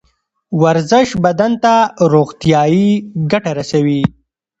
ورزش بدن ته روغتیایی ګټه رسوي